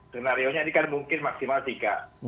skenario nya ini kan mungkin maksimal tiga